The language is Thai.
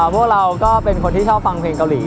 พวกเราก็เป็นคนที่ชอบฟังเพลงเกาหลี